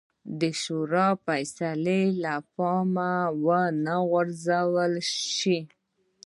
شورا فیصلې له پامه ونه غورځول شي.